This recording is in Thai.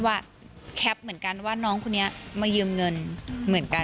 แคปเหมือนกันว่าน้องคนนี้มายืมเงินเหมือนกัน